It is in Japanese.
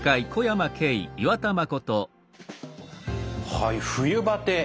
はい冬バテ。